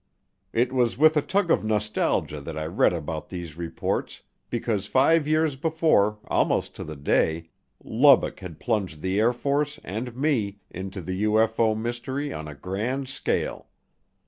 It was with a tug of nostalgia that I read about these reports because five years before, almost to the day, Lubbock had plunged the Air Force, and me, into the UFO mystery on a grand scale.